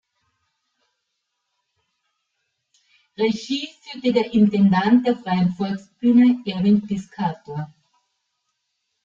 Regie führte der Intendant der Freien Volksbühne, Erwin Piscator.